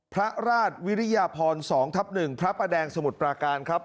พระราชวิริยพรสองทับหนึ่งพระประแดงสมุดประการครับ